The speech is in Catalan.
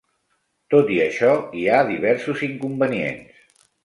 Tot i això, hi ha diversos inconvenients.